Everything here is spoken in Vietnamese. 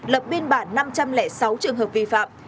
lập biên bản năm trăm linh sáu trường hợp vi phạm